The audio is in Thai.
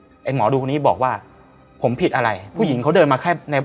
ไอ้หมอดูคนนี้บอกว่าผมผิดอะไรผู้หญิงเขาเดินมาแค่ใน